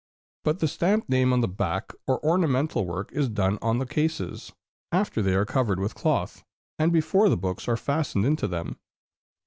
] But the stamped name on the back or ornamental work is done on the cases, after they are covered with cloth, and before the books are fastened into them.